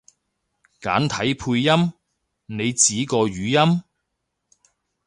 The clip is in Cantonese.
簡體配音？你指個語音？